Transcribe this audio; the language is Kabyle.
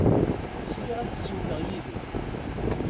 Sriɣ ad ssiwleɣ yid-k.